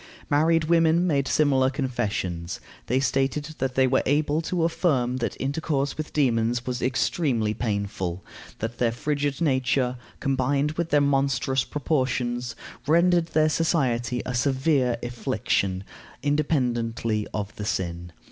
Married women made similar confessions. They stated that they were able to affirm that intercourse with demons was extremely painful; that their frigid nature, combined with their monstrous proportions, rendered their society a severe affliction, independently of the sin.